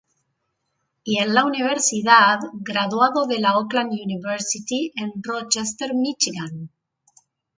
Y en la universidad graduado de la "Oakland University" en Rochester, Míchigan.